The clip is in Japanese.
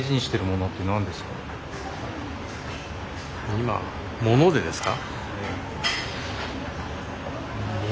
今今物でですか？